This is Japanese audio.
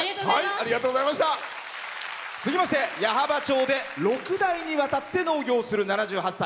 続きまして矢巾町で６代にわたって農業をする７８歳。